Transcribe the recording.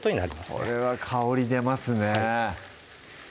これは香り出ますね